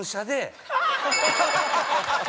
ハハハハ！